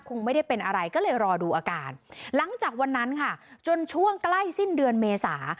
คงไม่ได้เป็นอะไรก็เลยรอดูอาการหลังจากวันนั้นค่ะจนช่วงใกล้สิ้นเดือนเมษา